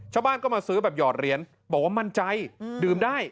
ชาวบ้านก็มาซื้อแบบหยอดเหรียญบอกว่ามั่นใจดื่มได้